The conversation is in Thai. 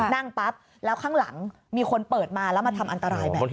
นั่งปั๊บแล้วข้างหลังมีคนเปิดมาแล้วมาทำอันตรายไหม